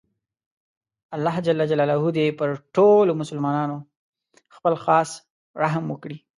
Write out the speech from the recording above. الله ﷻ دې پر ټولو مسلماناتو خپل خاص رحم وکړي